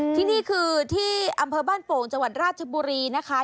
ที่นี่คือที่อำเภอบ้านโป่งจังหวัดราชบุรีนะคะ